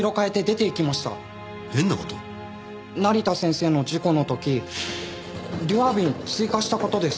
成田先生の事故の時デュワー瓶追加した事です。